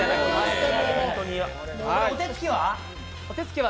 これ、お手つきは？